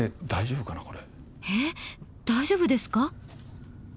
えっ大丈夫ですか？